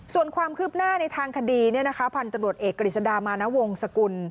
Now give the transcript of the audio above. ส่วนความคืบหน้าในทางคดีพันธุ์ตำรวจเอกกฤษดามานวงศกุล